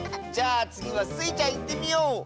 じゃあつぎはスイちゃんいってみよう！